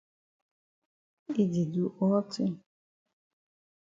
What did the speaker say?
E di do all tin.